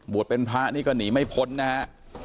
เป็นพระนี่ก็หนีไม่พ้นนะฮะ